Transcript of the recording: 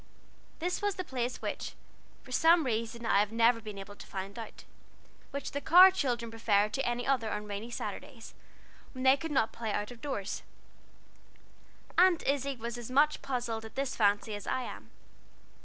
This was the place, which for some reason I have never been able to find out, the Carr children preferred to any other on rainy Saturdays, when they could not play out doors, Aunt Izzie was as much puzzled at this fancy as I am.